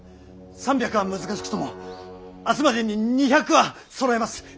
３００は難しくとも明日までに２００はそろえます。